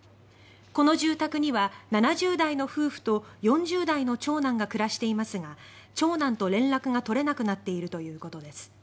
この住宅には７０代の夫婦と４０代の長男が暮らしていますが長男と連絡が取れなくなっているということです。